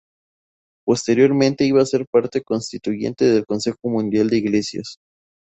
Posteriormente iba a ser parte constituyente del Consejo Mundial de Iglesias.